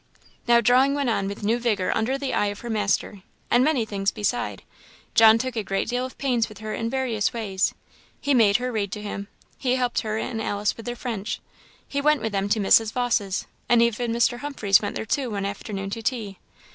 Now drawing went on with new vigour under the eye of her master. And many things beside. John took a great deal of pains with her in various ways. He made her read to him; he helped her and Alice with their French; he went with them to Mrs. Vawse's; and even Mr. Humphreys went there too, one afternoon to tea.